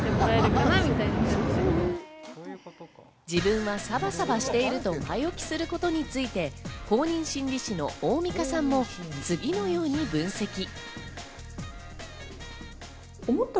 自分はサバサバしていると前置きすることについて公認心理師の大美賀さんも次のように分析。